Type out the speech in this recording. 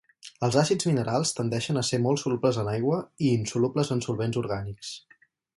Els àcids minerals tendeixen a ser molt solubles en aigua i insolubles en solvents orgànics.